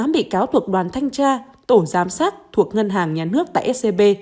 một mươi tám bị cáo thuộc đoàn thanh tra tổ giám sát thuộc ngân hàng nhà nước tại scb